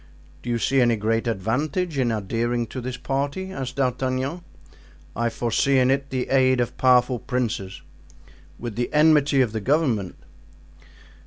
"Do you see any great advantage in adhering to this party?" asked D'Artagnan. "I foresee in it the aid of powerful princes." "With the enmity of the government."